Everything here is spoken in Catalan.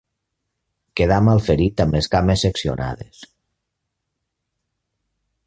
Quedà malferit amb les cames seccionades.